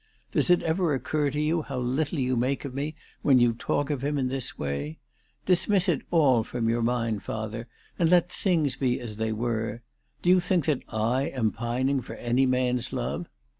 Does it ever occur to you how little you make of me when you talk of him in this way ? Dismiss it all from your mind, father, and let things be as they were. Do you think that I am pining for any man's love